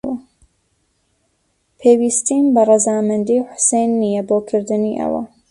پێویستیم بە ڕەزامەندیی حوسێن نییە بۆ کردنی ئەوە.